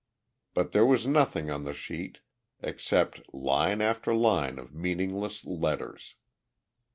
But there was nothing on the sheet except line after line of meaningless letters.